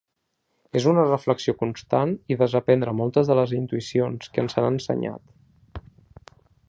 És una reflexió constant i desaprendre moltes de les intuïcions que ens han ensenyat.